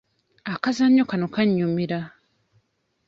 Akazannyo kano kannyumira.